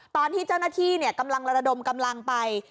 ตอนที่เจ้าหน้าที่กำลังระดมกำลังไป